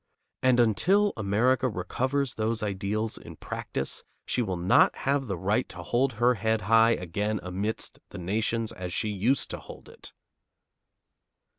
And until America recovers those ideals in practice, she will not have the right to hold her head high again amidst the nations as she used to hold it.